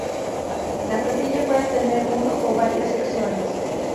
La Flotilla puede tener uno o varias Secciones.